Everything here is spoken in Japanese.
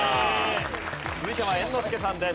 続いては猿之助さんです。